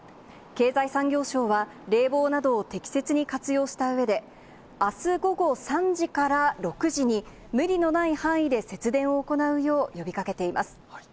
経済産業省は、冷房などを適切に活用したうえで、あす午後３時から６時に、無理のない範囲で節電を行うよう呼びかけています。